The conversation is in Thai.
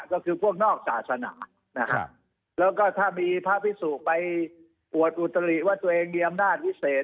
ก็คือพวกนอกศาสนานะครับแล้วก็ถ้ามีพระพิสุไปอวดอุตริว่าตัวเองมีอำนาจพิเศษ